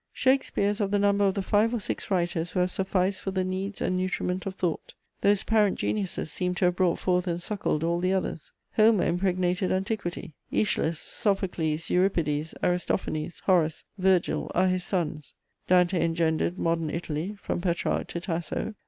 Shakespeare is of the number of the five or six writers who have sufficed for the needs and nutriment of thought: those parent geniuses seem to have brought forth and suckled all the others. Homer impregnated antiquity: Æschylus, Sophocles, Euripides, Aristophanes, Horace, Virgil are his sons. Dante engendered Modern Italy, from Petrarch to Tasso.